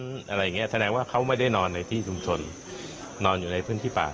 แสดงว่าเขาไม่ได้นอนในที่ชุมชนนอนอยู่ในพื้นที่ป่า